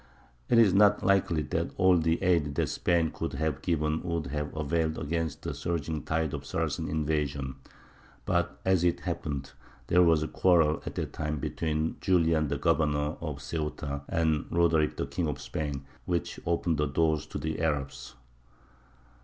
It is not likely that all the aid that Spain could have given would have availed against the surging tide of Saracen invasion; but, as it happened, there was a quarrel at that time between Julian the governor of Ceuta and Roderick the King of Spain, which opened the door to the Arabs.